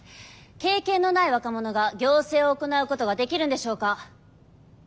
経験のない若者が行政を行うことができるんでしょうか。